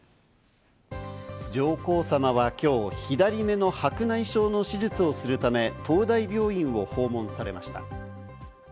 上皇さまは今日、左目の白内障の手術をするため、東大病院を訪問されました。